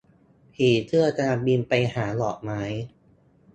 ผีเสื้อกำลังบินไปหาดอกไม้